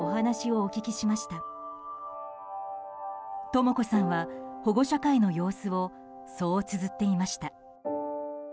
とも子さんは保護者会の様子をそうつづっていました。